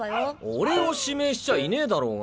俺を指名しちゃいねえだろうが。